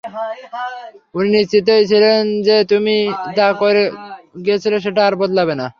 উনি নিশ্চিতই ছিলেন যে তুমি যা করে গিয়েছিলে সেটা আর বদলাবে না।